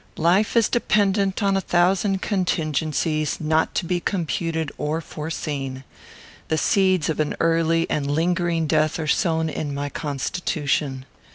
Life is dependent on a thousand contingencies, not to be computed or foreseen. The seeds of an early and lingering death are sown in my constitution.